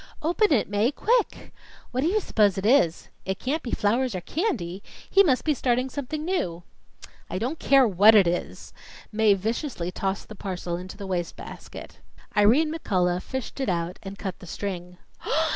"Open it, Mae quick!" "What do you s'pose it is?" "It can't be flowers or candy. He must be starting something new." "I don't care what it is!" Mae viciously tossed the parcel into the wastebasket. Irene McCullough fished it out and cut the string.